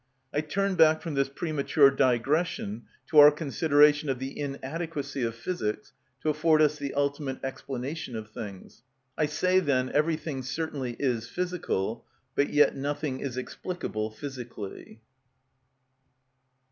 I turn back from this premature digression to our consideration of the inadequacy of physics to afford us the ultimate explanation of things. I say, then, everything certainly is physical, but yet nothing is explicable physically.